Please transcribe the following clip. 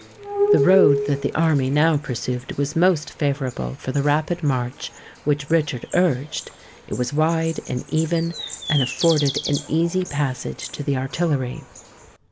The road that the army now pursued was most favourable for the rapid march which Richard urged. It was wide and even, and afforded an easy passage to the artillery.